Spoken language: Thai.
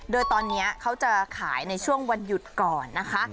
โดยตอนนี้เขาจะขายในช่วงวันหยุดก่อนนะคะ